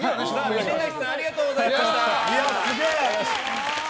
峯崎さんありがとうございました。